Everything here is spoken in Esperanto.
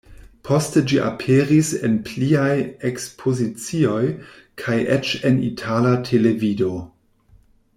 Poste ĝi aperis en pliaj ekspozicioj kaj eĉ en itala televido.